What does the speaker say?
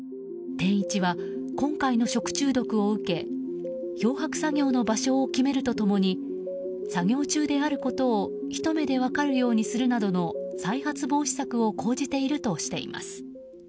天一は今回の食中毒を受け漂白作業の場所を決めると共に作業中であることをひと目でわかるようにするなどの再発防止策を講じているとしています。